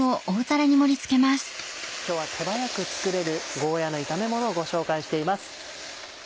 今日は手早く作れるゴーヤの炒めものをご紹介しています。